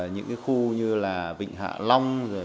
những cái khu như là vịnh hạ long